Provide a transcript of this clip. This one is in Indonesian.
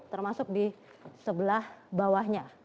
termasuk di sebelah bawahnya